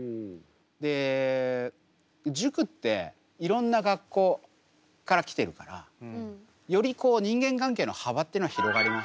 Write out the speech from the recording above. で塾っていろんな学校から来てるからより人間関係の幅ってのは広がりますよね。